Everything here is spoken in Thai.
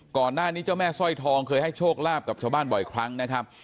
ก่อนหน้านี้เจ้าแม่สร้อยทองเคยให้โชคลาภกับชาวบ้านบ่อยครั้งนะครับ